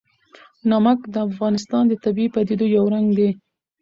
نمک د افغانستان د طبیعي پدیدو یو رنګ دی.